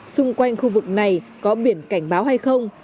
xung quanh khu vực này có biển cảnh báo hay không